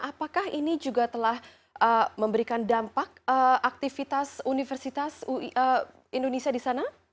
apakah ini juga telah memberikan dampak aktivitas universitas indonesia di sana